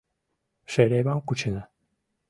— Шеревам кучена.